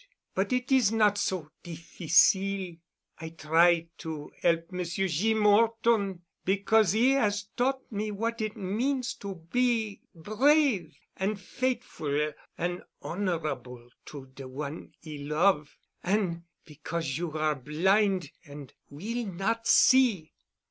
But it is not so difficile. I try to 'elp Monsieur Jeem 'Orton, because 'e 'as taught me what it means to be brave an' fait'ful an' honorable to de one 'e love', an' because you are blind, an' will not see."